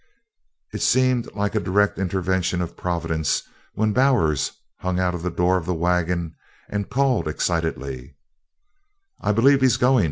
It seemed like a direct intervention of Providence when Bowers hung out of the door of the wagon and called excitedly: "I believe he's goin'!"